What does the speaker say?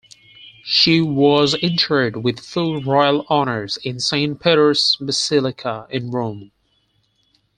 She was interred with full royal honors in Saint Peter's Basilica in Rome.